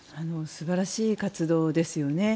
素晴らしい活動ですよね。